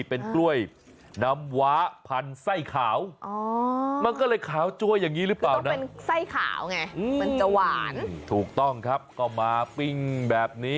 เป็นกล้วยนำหวะภันธุ์ไส้ขาวมันก็เลยขาวจ้วยอย่างนี้หรือเปล่าครับ